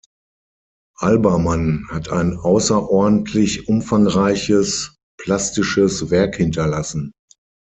Albermann hat ein außerordentlich umfangreiches plastisches Werk hinterlassen.